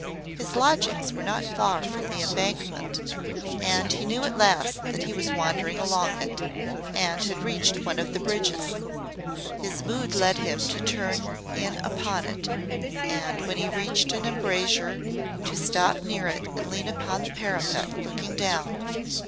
His lodgings were not far from the Embankment, and he knew at last that he was wandering along it, and had reached one of the bridges. His mood led him to turn in upon it, and when he reached an embrasure to stop near it and lean upon the parapet looking down.